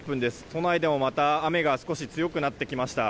都内でもまた雨が少し強くなってきました。